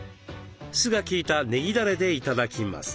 酢が効いたねぎだれで頂きます。